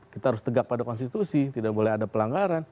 kita harus tegak pada konstitusi tidak boleh ada pelanggaran